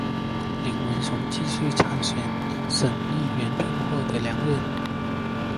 林文雄继续参选省议员并获得连任。